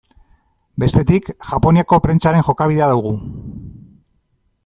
Bestetik, Japoniako prentsaren jokabidea dugu.